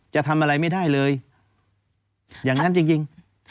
จะทำอะไรไม่ได้เลยอย่างนั้นจริง